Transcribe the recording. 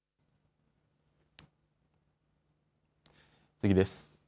次です。